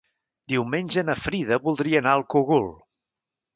Diumenge na Frida voldria anar al Cogul.